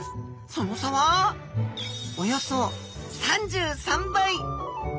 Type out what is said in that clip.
その差はおよそ３３倍！